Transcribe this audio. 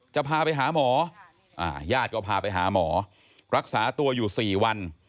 จะพาไปหาหมอญาติก็พาไปหาหมอรักษาตัวอยู่๔วัน